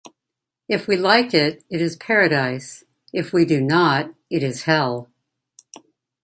If we like it, it is paradise; if we do not, it is hell.